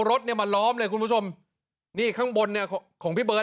รถเนี่ยมาล้อมเลยคุณผู้ชมนี่ข้างบนเนี่ยของพี่เบิร์ต